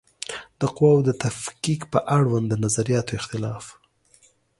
د قواوو د تفکیک په اړوند د نظریاتو اختلاف